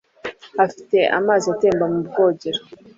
Afite amazi atemba mu bwogero.